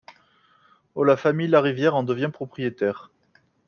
Au la famille La Rivière en devient propriétaire.